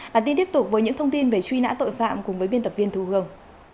bản tin tiếp tục với những thông tin về truy nã tội phạm cùng với biên tập viên thu hương